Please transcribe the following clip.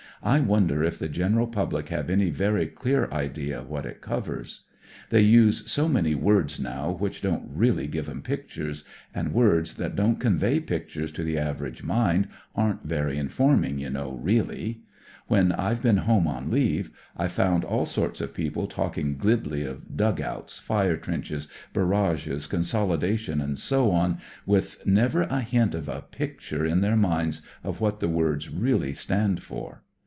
"I wonder if the general public have any very clear idea what it covers. They use so many words now which don't really give 'em pictures, and words that don't convey pictures to the average mind aren't very inform ing, you know, really. When I've been home on leave I've found all sorts of people talking glibly of dug outs, fire trenches, barrages, consolidation, and so on, with never a hint of a picture in THE MORAL OF THE BOCHE 87 their minds of what the words really stand for.